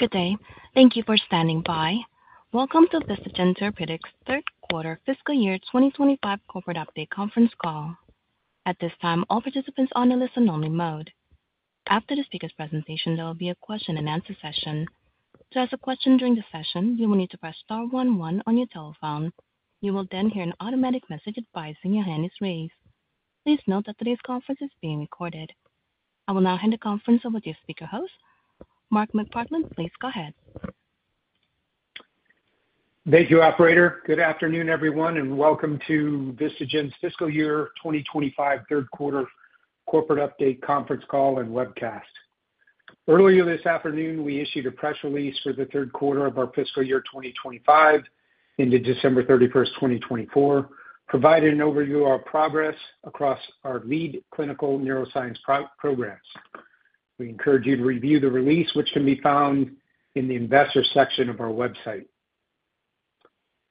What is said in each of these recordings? Good day. Thank you for standing by. Welcome to Vistagen Therapeutics' Q3 Fiscal Year 2025 Corporate Update Conference Call. At this time, all participants are on a listen-only mode. After the speaker's presentation, there will be a question-and-answer session. To ask a question during the session, you will need to press star one one on your telephone. You will then hear an automatic message advising your hand is raised. Please note that today's conference is being recorded. I will now hand the conference over to your speaker host, Mark McPartland. Please go ahead. Thank you, Operator. Good afternoon, everyone, and welcome to Vistagen's fiscal year 2025 Q3 corporate update conference call and webcast. Earlier this afternoon, we issued a press release for the Q3 of our fiscal year 2025 ended December 31, 2024, providing an overview of our progress across our lead clinical neuroscience programs. We encourage you to review the release, which can be found in the investor section of our website.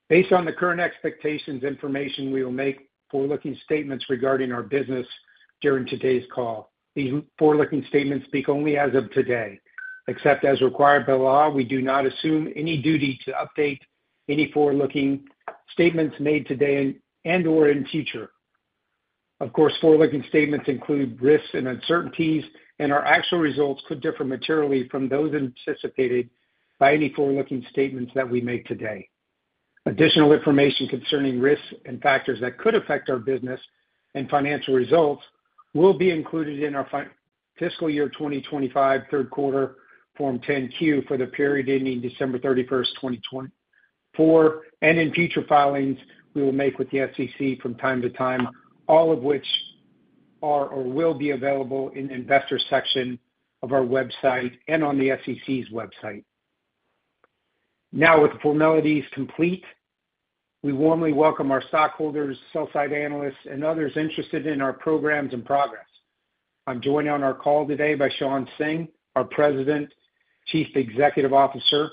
Based on the current expectations and information, we will make forward-looking statements regarding our business during today's call. These forward-looking statements speak only as of today. Except as required by law, we do not assume any duty to update any forward-looking statements made today or in the future. Of course, forward-looking statements include risks and uncertainties, and our actual results could differ materially from those anticipated by any forward-looking statements that we make today. Additional information concerning risks and factors that could affect our business and financial results will be included in our fiscal year 2025 Q3 Form 10-Q for the period ending December 31, 2024, and in future filings we will make with the SEC from time to time, all of which are or will be available in the investor section of our website and on the SEC's website. Now, with the formalities complete, we warmly welcome our stockholders, sell-side analysts, and others interested in our programs and progress. I'm joined on our call today by Shawn Singh, our President, Chief Executive Officer;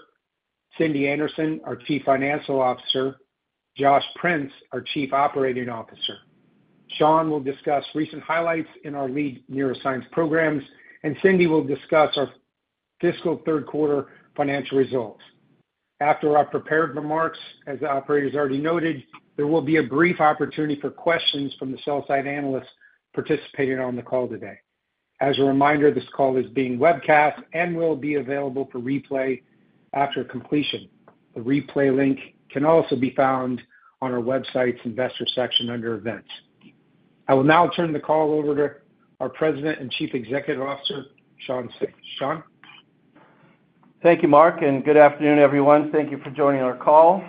Cindy Anderson, our Chief Financial Officer; Josh Prince, our Chief Operating Officer. Shawn will discuss recent highlights in our lead neuroscience programs, and Cindy will discuss our fiscal Q3 financial results. After our prepared remarks, as the operator has already noted, there will be a brief opportunity for questions from the sell-side analysts participating on the call today. As a reminder, this call is being webcast and will be available for replay after completion. The replay link can also be found on our website's investor section under events. I will now turn the call over to our President and Chief Executive Officer, Shawn Singh. Shawn. Thank you, Mark, and good afternoon, everyone. Thank you for joining our call.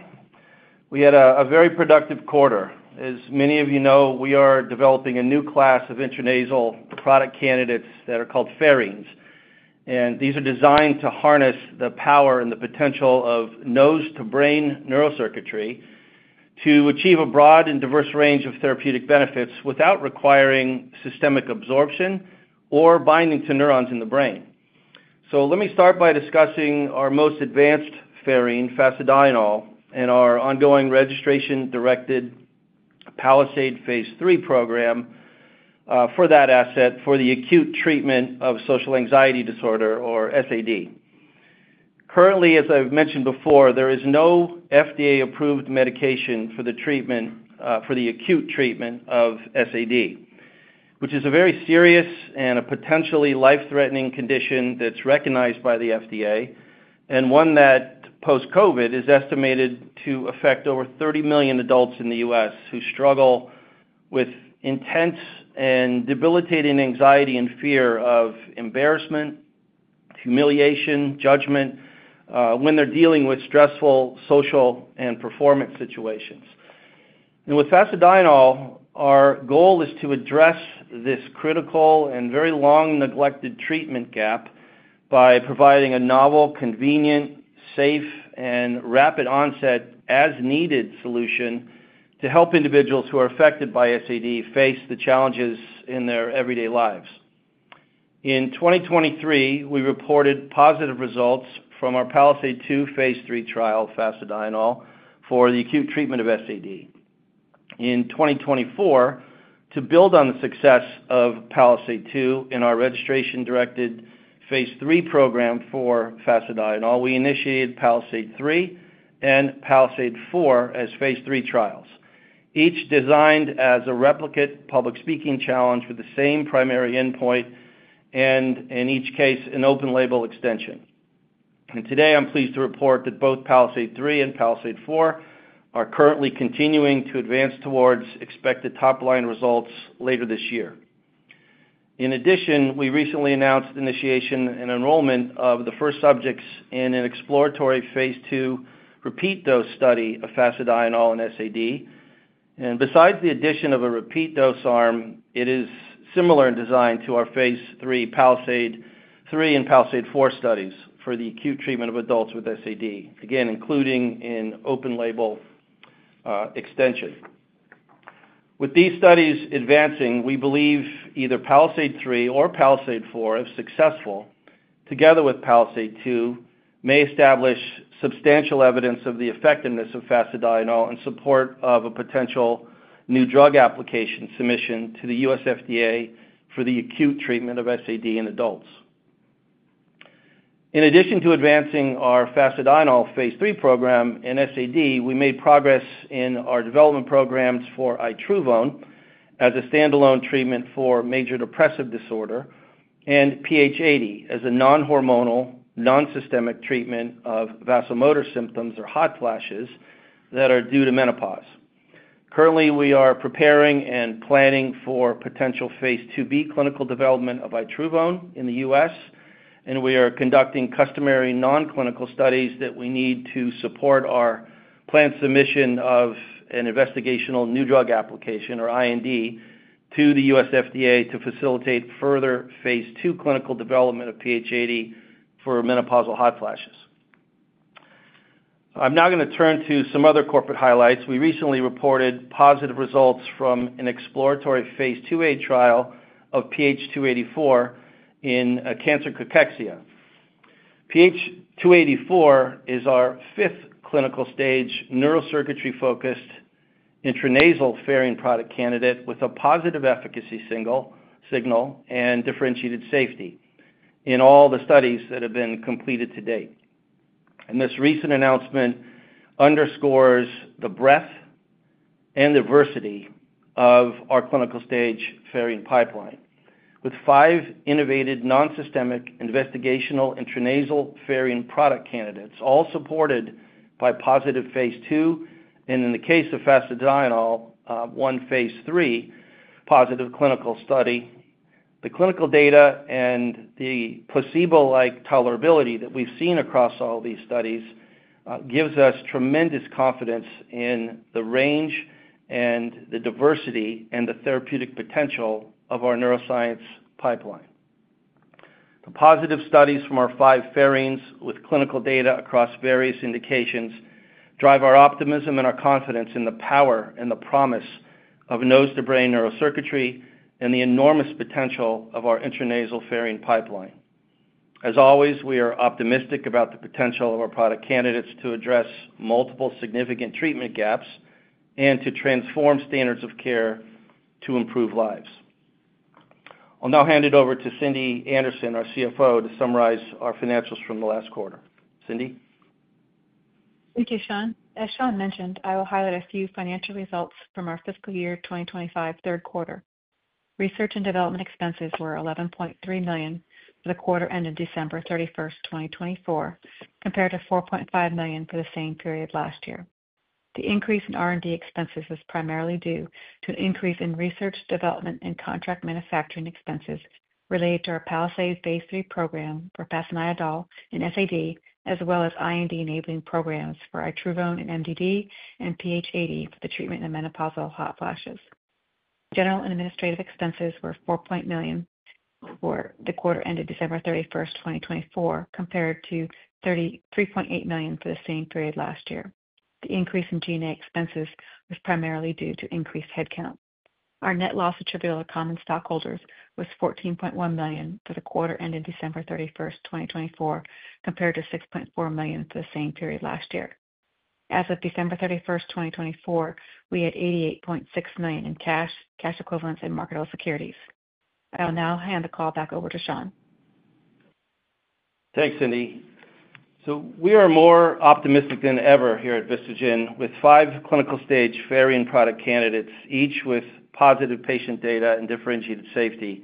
We had a very productive quarter. As many of you know, we are developing a new class of intranasal product candidates that are called pherines. These are designed to harness the power and the potential of nose-to-brain neurocircuitry to achieve a broad and diverse range of therapeutic benefits without requiring systemic absorption or binding to neurons in the brain. Let me start by discussing our most advanced pherine, fasedienol, and our ongoing registration-directed PALISADE Phase 3 program for that asset for the acute treatment of social anxiety disorder, or SAD. Currently, as I've mentioned before, there is no FDA-approved medication for the acute treatment of SAD, which is a very serious and a potentially life-threatening condition that's recognized by the FDA and one that, post-COVID, is estimated to affect over 30 million adults in the U.S. who struggle with intense and debilitating anxiety and fear of embarrassment, humiliation, judgment when they're dealing with stressful social and performance situations. With fasedienol, our goal is to address this critical and very long-neglected treatment gap by providing a novel, convenient, safe, and rapid-onset, as-needed solution to help individuals who are affected by SAD face the challenges in their everyday lives. In 2023, we reported positive results from our PALISADE-2 Phase 3 trial of fasedienol for the acute treatment of SAD. In 2024, to build on the success of PALISADE-2 in our registration-directed Phase 3 program for fasedienol, we initiated PALISADE-3 and PALISADE-4 as Phase 3 trials, each designed as a replicate public speaking challenge with the same primary endpoint and, in each case, an open-label extension. Today, I'm pleased to report that both PALISADE-3 and PALISADE-4 are currently continuing to advance towards expected top-line results later this year. In addition, we recently announced the initiation and enrollment of the first subjects in an exploratory Phase 2 repeat-dose study of fasedienol and SAD. Besides the addition of a repeat-dose arm, it is similar in design to our Phase 3 PALISADE-3 and PALISADE-4 studies for the acute treatment of adults with SAD, again, including an open-label extension. With these studies advancing, we believe either PALISADE-3 or PALISADE-4, if successful together with PALISADE-2, may establish substantial evidence of the effectiveness of fasedienol in support of a potential new drug application submission to the U.S. FDA for the acute treatment of SAD in adults. In addition to advancing our fasedienol Phase 3 program in SAD, we made progress in our development programs for itruvone as a standalone treatment for major depressive disorder and PH80 as a non-hormonal, non-systemic treatment of vasomotor symptoms or hot flashes that are due to menopause. Currently, we are preparing and planning for potential Phase 2B clinical development of itruvone in the U.S., and we are conducting customary non-clinical studies that we need to support our planned submission of an investigational new drug application, or IND, to the U.S. FDA to facilitate further Phase 2 clinical development of PH80 for menopausal hot flashes. I'm now going to turn to some other corporate highlights. We recently reported positive results from an exploratory Phase 2A trial of PH284 in cancer cachexia. PH284 is our fifth clinical stage neurocircuitry-focused intranasal pherine product candidate with a positive efficacy signal and differentiated safety in all the studies that have been completed to date. This recent announcement underscores the breadth and diversity of our clinical stage pherine pipeline with five innovative non-systemic investigational intranasal pherine product candidates, all supported by positive Phase 2 and, in the case of fasedienol, Phase 3 positive clinical study. The clinical data and the placebo-like tolerability that we've seen across all these studies gives us tremendous confidence in the range and the diversity and the therapeutic potential of our neuroscience pipeline. The positive studies from our five pherines with clinical data across various indications drive our optimism and our confidence in the power and the promise of nose-to-brain neurocircuitry and the enormous potential of our intranasal pherine pipeline. As always, we are optimistic about the potential of our product candidates to address multiple significant treatment gaps and to transform standards of care to improve lives. I'll now hand it over to Cindy Anderson, our CFO, to summarize our financials from the last quarter. Cindy. Thank you, Shawn. As Shawn mentioned, I will highlight a few financial results from our fiscal year 2025 Q3. Research and development expenses were $11.3 million for the quarter ending December 31, 2024, compared to $4.5 million for the same period last year. The increase in R&D expenses is primarily due to an increase in research, development, and contract manufacturing expenses related to our PALISADE Phase 3 program for fasedienol and SAD, as well as IND enabling programs for itruvone and MDD and PH80 for the treatment of menopausal hot flashes. General and administrative expenses were $4.0 million for the quarter ended December 31, 2024, compared to $3.8 million for the same period last year. The increase in G&A expenses was primarily due to increased headcount. Our net loss attributable to common stockholders was $14.1 million for the quarter ending December 31, 2024, compared to $6.4 million for the same period last year. As of December 31, 2024, we had $88.6 million in cash, cash equivalents, and marketable securities. I'll now hand the call back over to Shawn. Thanks, Cindy. We are more optimistic than ever here at Vistagen with five clinical stage pherine product candidates, each with positive patient data and differentiated safety.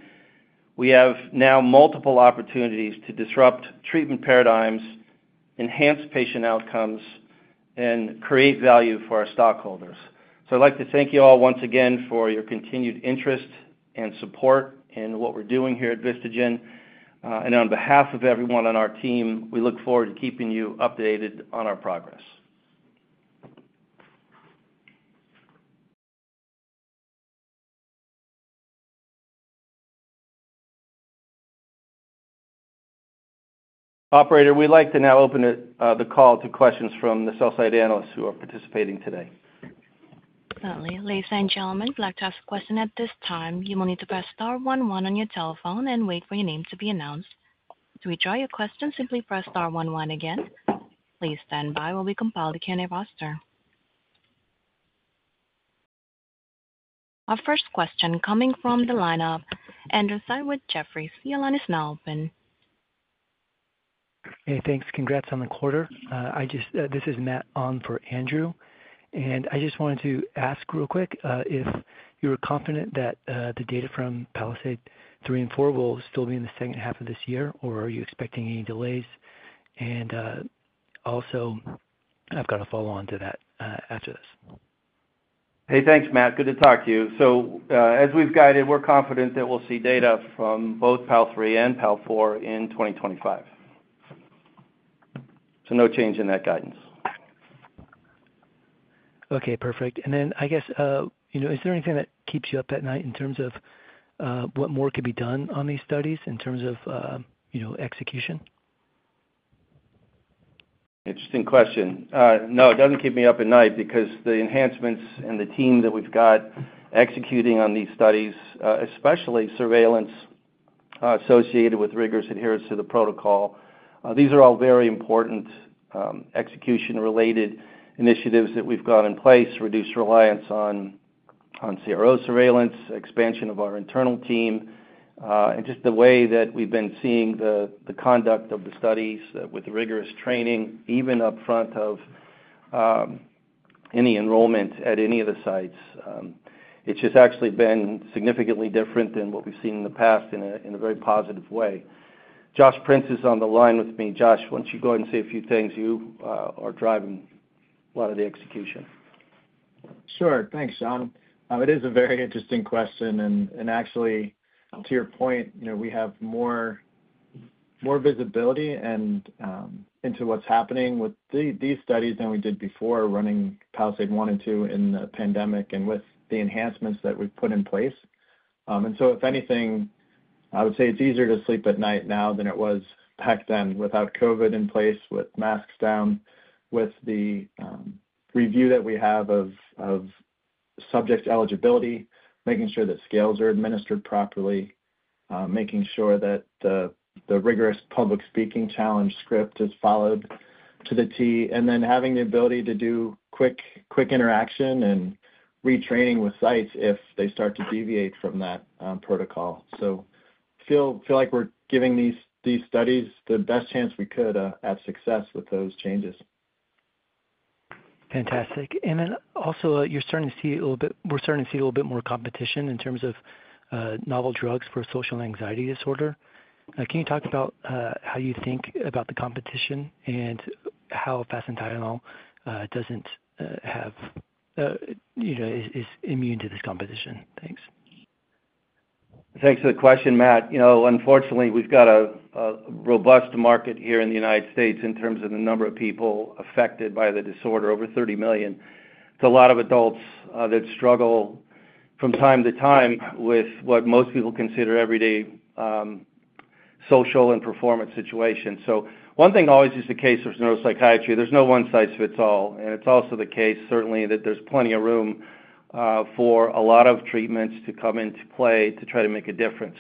We have now multiple opportunities to disrupt treatment paradigms, enhance patient outcomes, and create value for our stockholders. I would like to thank you all once again for your continued interest and support in what we are doing here at Vistagen. On behalf of everyone on our team, we look forward to keeping you updated on our progress. Operator, we would like to now open the call to questions from the sell-side analysts who are participating today. Definitely. Ladies and gentlemen, if you'd like to ask a question at this time, you will need to press star one one on your telephone and wait for your name to be announced. To withdraw your question, simply press star one one again. Please stand by while we compile the candidate roster. Our first question coming from the lineup, Andrew Tsai with Jefferies. The line is now open. Hey, thanks. Congrats on the quarter. This is Matt on for Andrew. I just wanted to ask real quick if you were confident that the data from PALISADE-3 and PALISADE-4 will still be in the second half of this year, or are you expecting any delays? I have got a follow-on to that after this. Hey, thanks, Matt. Good to talk to you. As we've guided, we're confident that we'll see data from both PAL-3 and PAL-4 in 2025. No change in that guidance. Okay, perfect. I guess, is there anything that keeps you up at night in terms of what more could be done on these studies in terms of execution? Interesting question. No, it doesn't keep me up at night because the enhancements and the team that we've got executing on these studies, especially surveillance associated with rigorous adherence to the protocol, these are all very important execution-related initiatives that we've got in place to reduce reliance on CRO surveillance, expansion of our internal team, and just the way that we've been seeing the conduct of the studies with rigorous training, even upfront of any enrollment at any of the sites. It's just actually been significantly different than what we've seen in the past in a very positive way. Josh Prince is on the line with me. Josh, why don't you go ahead and say a few things? You are driving a lot of the execution. Sure. Thanks, Shawn. It is a very interesting question. Actually, to your point, we have more visibility into what's happening with these studies than we did before running PALISADE 1 and PALISADE-2 in the pandemic and with the enhancements that we've put in place. If anything, I would say it's easier to sleep at night now than it was back then without COVID in place, with masks down, with the review that we have of subject eligibility, making sure that scales are administered properly, making sure that the rigorous public speaking challenge script is followed to the T, and then having the ability to do quick interaction and retraining with sites if they start to deviate from that protocol. I feel like we're giving these studies the best chance we could at success with those changes. Fantastic. You are starting to see a little bit, we are starting to see a little bit more competition in terms of novel drugs for social anxiety disorder. Can you talk about how you think about the competition and how fasedienol is immune to this competition? Thanks. Thanks for the question, Matt. Unfortunately, we've got a robust market here in the U.S. in terms of the number of people affected by the disorder, over 30 million. It's a lot of adults that struggle from time to time with what most people consider everyday social and performance situations. One thing always is the case with neuropsychiatry. There's no one-size-fits-all. It's also the case, certainly, that there's plenty of room for a lot of treatments to come into play to try to make a difference.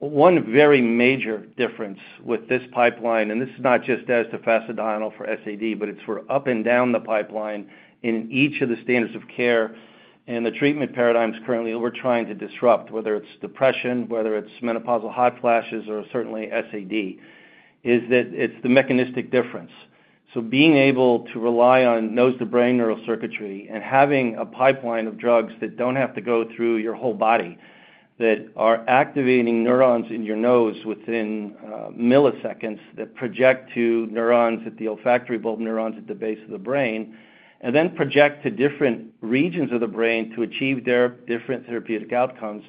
One very major difference with this pipeline, and this is not just as to fasedienol for SAD, but it's for up and down the pipeline in each of the standards of care and the treatment paradigms currently that we're trying to disrupt, whether it's depression, whether it's menopausal hot flashes, or certainly SAD, is that it's the mechanistic difference. Being able to rely on nose-to-brain neurocircuitry and having a pipeline of drugs that do not have to go through your whole body, that are activating neurons in your nose within milliseconds that project to neurons at the olfactory bulb, neurons at the base of the brain, and then project to different regions of the brain to achieve their different therapeutic outcomes,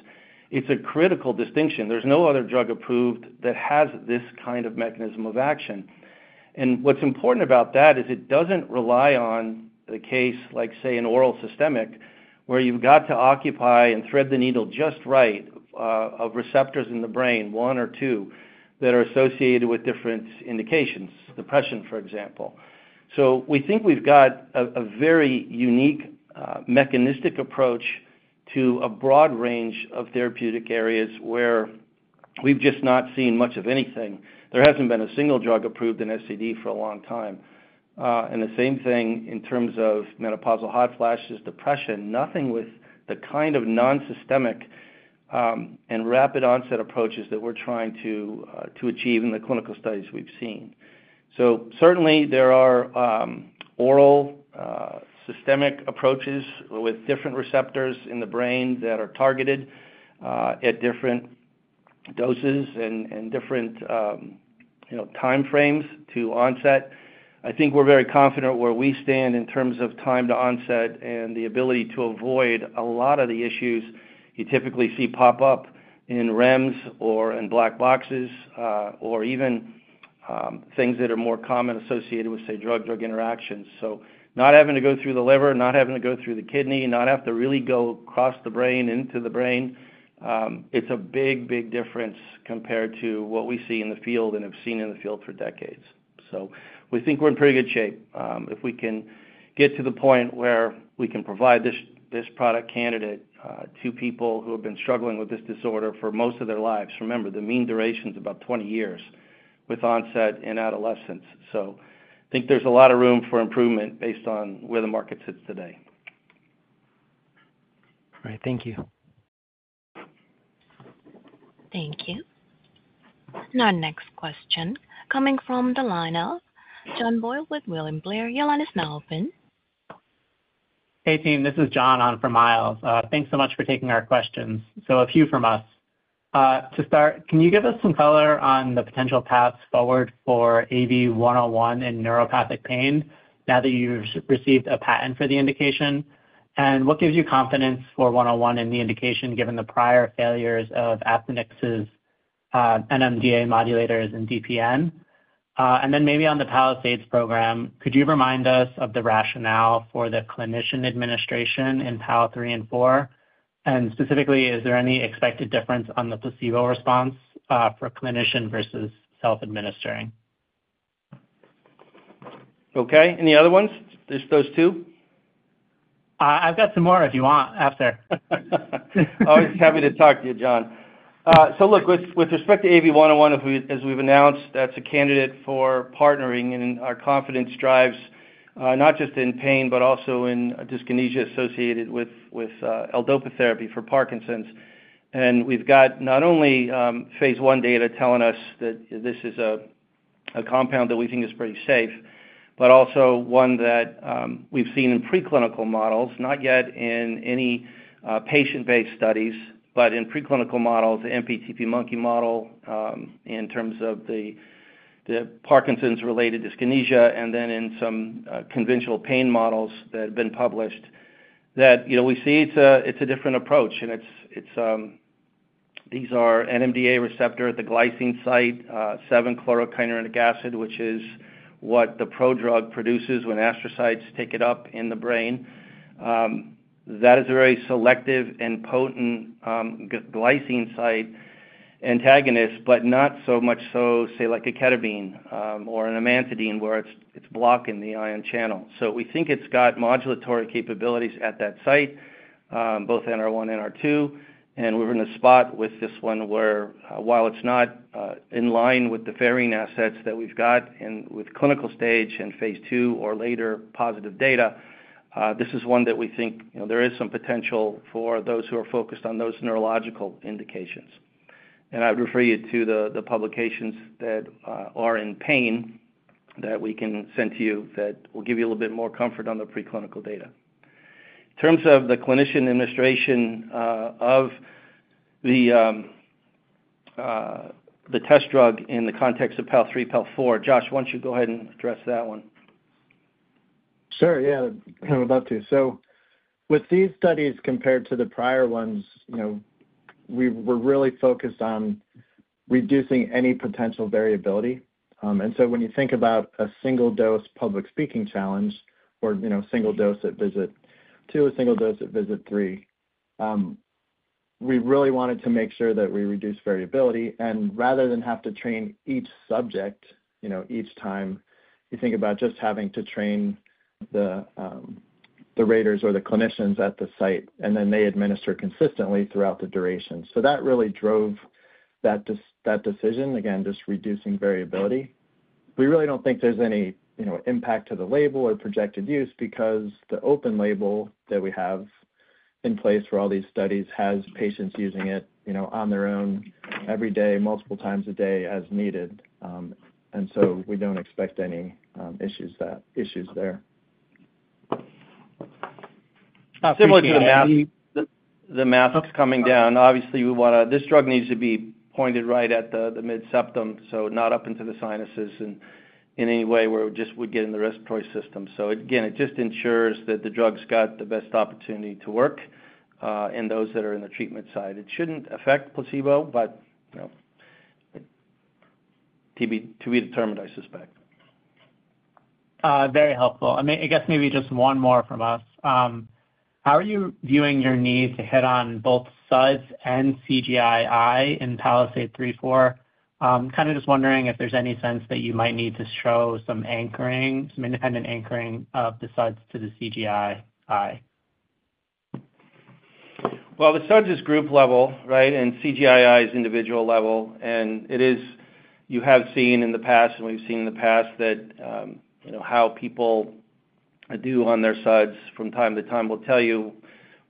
is a critical distinction. There is no other drug approved that has this kind of mechanism of action. What is important about that is it does not rely on the case, like, say, an oral systemic where you have to occupy and thread the needle just right of receptors in the brain, one or two, that are associated with different indications, depression, for example. We think we have a very unique mechanistic approach to a broad range of therapeutic areas where we have just not seen much of anything. There has not been a single drug approved in SAD for a long time. The same thing in terms of menopausal hot flashes, depression, nothing with the kind of non-systemic and rapid onset approaches that we are trying to achieve in the clinical studies we have seen. Certainly, there are oral systemic approaches with different receptors in the brain that are targeted at different doses and different time frames to onset. I think we are very confident where we stand in terms of time to onset and the ability to avoid a lot of the issues you typically see pop up in REMS or in black boxes or even things that are more commonly associated with, say, drug-drug interactions. Not having to go through the liver, not having to go through the kidney, not have to really go across the brain into the brain, it's a big, big difference compared to what we see in the field and have seen in the field for decades. We think we're in pretty good shape if we can get to the point where we can provide this product candidate to people who have been struggling with this disorder for most of their lives. Remember, the mean duration is about 20 years with onset in adolescence. I think there's a lot of room for improvement based on where the market sits today. All right. Thank you. Thank you. Now, next question coming from the lineup, John Boyle with William Blair, your line is now open. Hey, team. This is John on for Myles. Thanks so much for taking our questions. A few from us. To start, can you give us some color on the potential paths forward for AV-101 in neuropathic pain now that you've received a patent for the indication? What gives you confidence for 101 in the indication given the prior failures of Aptinyx's NMDA modulators and DPN? Maybe on the PALISADE program, could you remind us of the rationale for the clinician administration in PAL-3 and PAL-4? Specifically, is there any expected difference on the placebo response for clinician versus self-administering? Okay. Any other ones? Just those two? I've got some more if you want, after. Always happy to talk to you, John. Look, with respect to AV-101, as we've announced, that's a candidate for partnering, and our confidence drives not just in pain but also in dyskinesia associated with L-Dopa therapy for Parkinson's. We've got not only phase one data telling us that this is a compound that we think is pretty safe, but also one that we've seen in preclinical models, not yet in any patient-based studies, but in preclinical models, the MPTP monkey model in terms of the Parkinson's-related dyskinesia, and then in some conventional pain models that have been published, that we see it's a different approach. These are NMDA receptor at the glycine site, 7-Chlorokynurenic acid, which is what the prodrug produces when astrocytes take it up in the brain. That is a very selective and potent glycine site antagonist, but not so much so, say, like a ketamine or an amantadine where it's blocking the ion channel. We think it's got modulatory capabilities at that site, both NR1 and NR2. We're in a spot with this one where, while it's not in line with the pherine assets that we've got with clinical stage and phase two or later positive data, this is one that we think there is some potential for those who are focused on those neurological indications. I would refer you to the publications that are in pain that we can send to you that will give you a little bit more comfort on the preclinical data. In terms of the clinician administration of the test drug in the context of PAL-3, PAL-4, Josh, why don't you go ahead and address that one? Sure. Yeah, I'm about to. With these studies compared to the prior ones, we were really focused on reducing any potential variability. When you think about a single-dose public speaking challenge or single dose at visit two, single dose at visit three, we really wanted to make sure that we reduce variability. Rather than have to train each subject each time, you think about just having to train the raters or the clinicians at the site, and then they administer consistently throughout the duration. That really drove that decision, again, just reducing variability. We really don't think there's any impact to the label or projected use because the open label that we have in place for all these studies has patients using it on their own every day, multiple times a day as needed. We don't expect any issues there. Similar to the masks coming down, obviously, we want to this drug needs to be pointed right at the mid-septum, not up into the sinuses in any way where it just would get in the respiratory system. Again, it just ensures that the drug's got the best opportunity to work in those that are in the treatment side. It shouldn't affect placebo, but to be determined, I suspect. Very helpful. I mean, I guess maybe just one more from us. How are you viewing your need to hit on both SUDS and CGI-I in PALISADE-3, PALISADE-4? Kind of just wondering if there's any sense that you might need to show some independent anchoring of the SUDS to the CGIC. The SUDS is group level, right, and CGI-I is individual level. You have seen in the past, and we've seen in the past, how people do on their SUDS from time to time. That will tell you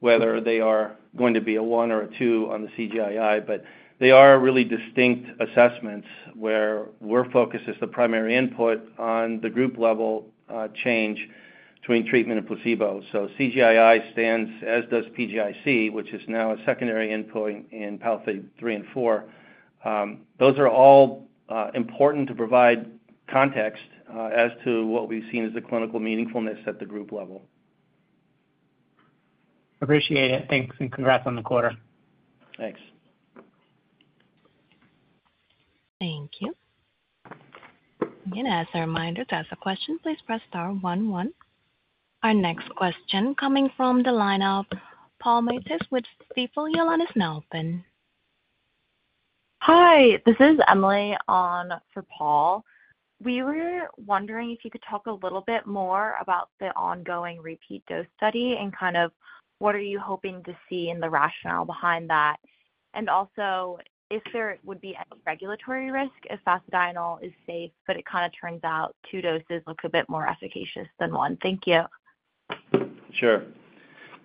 whether they are going to be a one or a two on the CGI-I, but they are really distinct assessments where we're focused as the primary input on the group-level change between treatment and placebo. CGI-I stands, as does PGIC, which is now a secondary input in PALISADE-3 and PALISADE-4. Those are all important to provide context as to what we've seen as the clinical meaningfulness at the group level. Appreciate it. Thanks. Congrats on the quarter. Thanks. Thank you. As a reminder, to ask a question, please press star one, one. Our next question coming from the lineup, Paul Matteis with Stifel, your line is now open. Hi. This is Emily on for Paul. We were wondering if you could talk a little bit more about the ongoing repeat dose study and kind of what are you hoping to see in the rationale behind that? Also, if there would be any regulatory risk if fasedienol is safe, but it kind of turns out two doses look a bit more efficacious than one. Thank you. Sure.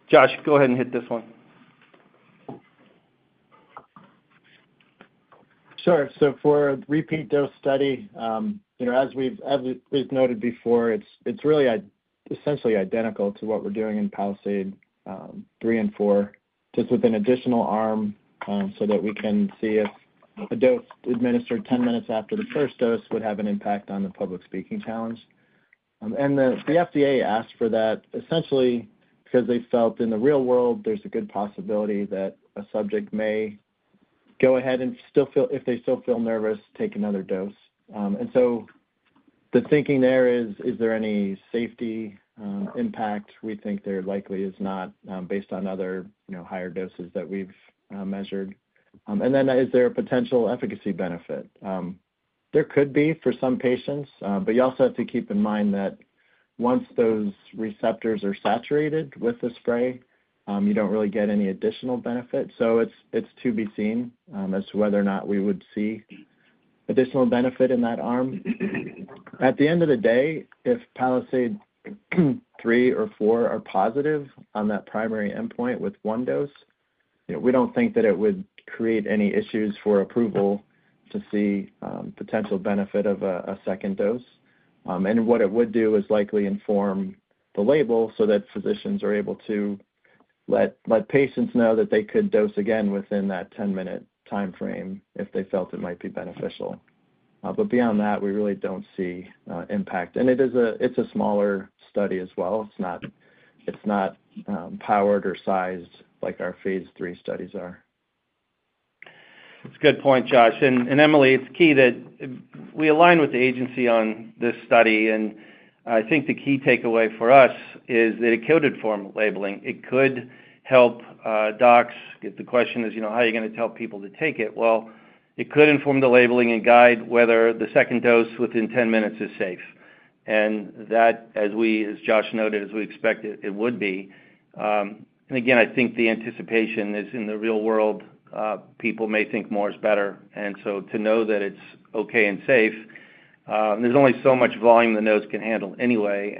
Josh, go ahead and hit this one. Sure. For the repeat dose study, as we've noted before, it's really essentially identical to what we're doing in PALISADE-3 and PALISADE-4, just with an additional arm so that we can see if a dose administered 10 minutes after the first dose would have an impact on the public speaking challenge. The FDA asked for that essentially because they felt in the real world, there's a good possibility that a subject may go ahead and, if they still feel nervous, take another dose. The thinking there is, is there any safety impact? We think there likely is not based on other higher doses that we've measured. Is there a potential efficacy benefit? There could be for some patients, but you also have to keep in mind that once those receptors are saturated with the spray, you don't really get any additional benefit. It is to be seen as to whether or not we would see additional benefit in that arm. At the end of the day, if PALISADE-3 or PALISADE-4 are positive on that primary endpoint with one dose, we do not think that it would create any issues for approval to see potential benefit of a second dose. What it would do is likely inform the label so that physicians are able to let patients know that they could dose again within that 10-minute timeframe if they felt it might be beneficial. Beyond that, we really do not see impact. It is a smaller study as well. It is not powered or sized like our Phase 3 studies are. That's a good point, Josh. Emily, it's key that we align with the agency on this study. I think the key takeaway for us is that it could inform labeling. It could help docs. The question is, how are you going to tell people to take it? It could inform the labeling and guide whether the second dose within 10 minutes is safe. As Josh noted, as we expect it, it would be. I think the anticipation is in the real world, people may think more is better. To know that it's okay and safe, there's only so much volume the nose can handle anyway.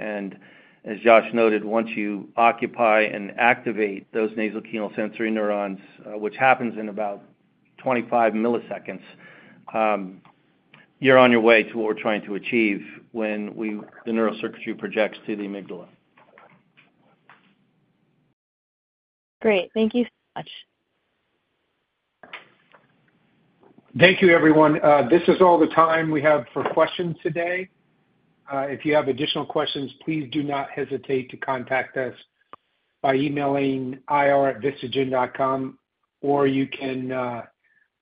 As Josh noted, once you occupy and activate those nasal-canal sensory neurons, which happens in about 25 milliseconds, you're on your way to what we're trying to achieve when the neurocircuitry projects to the amygdala. Great. Thank you so much. Thank you, everyone. This is all the time we have for questions today. If you have additional questions, please do not hesitate to contact us by emailing ira@vistagen.com, or you can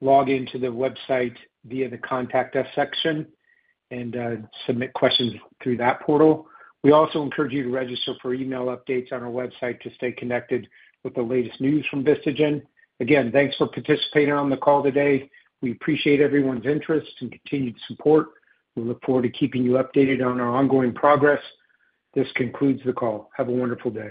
log into the website via the Contact Us section and submit questions through that portal. We also encourage you to register for email updates on our website to stay connected with the latest news from Vistagen. Again, thanks for participating on the call today. We appreciate everyone's interest and continued support. We look forward to keeping you updated on our ongoing progress. This concludes the call. Have a wonderful day.